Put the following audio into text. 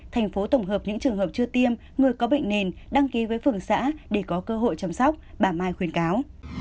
thành phố tổng hợp những trường hợp chưa tiêm người có bệnh nền đăng ký với phường xã để có cơ hội chăm sóc bà mai khuyến cáo